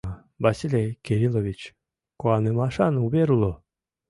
— Василий Кирилович, куанымашан увер уло.